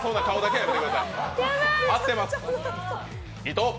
合ってます。